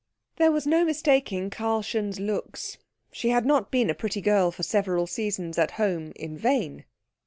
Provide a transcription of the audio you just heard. There was no mistaking Karlchen's looks; she had not been a pretty girl for several seasons at home in vain.